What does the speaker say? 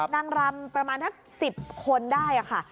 นางรำประมาณสัก๑๐คนได้ค่ะ